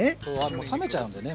冷めちゃうんでね